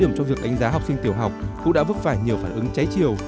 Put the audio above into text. đồng trong việc đánh giá học sinh tiểu học cũng đã vứt phải nhiều phản ứng cháy chiều